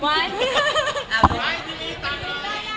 พี่เจ๊โรซ